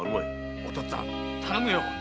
お父っつぁん頼むよ。